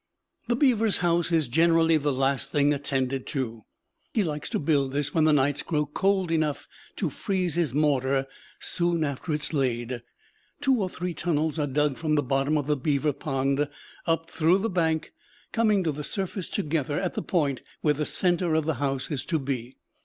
The beaver's house is generally the last thing attended to. He likes to build this when the nights grow cold enough to freeze his mortar soon after it is laid. Two or three tunnels are dug from the bottom of the beaver pond up through the bank, coming to the surface together at the point where the center of the house is to be.